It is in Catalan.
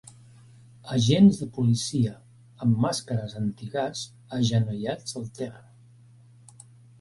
Agents de policia amb màscares anti-gas agenollats al terra